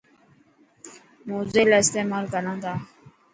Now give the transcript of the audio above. موزيلا استيمال ڪران تا.